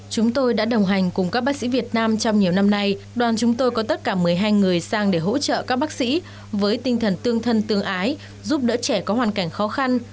chúng tôi đã đồng hành cùng các bác sĩ việt nam trong nhiều năm nay đoàn chúng tôi có tất cả một mươi hai người sang để hỗ trợ các bác sĩ với tinh thần tương thân tương ái giúp đỡ trẻ có hoàn cảnh khó khăn